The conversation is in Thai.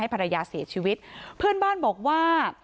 ไปโบกรถจักรยานยนต์ของชาวอายุขวบกว่าเองนะคะ